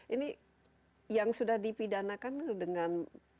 ini yang sudah dipidanakan dengan